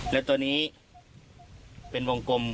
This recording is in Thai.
แล้วตัวนี้เป็นวงกลม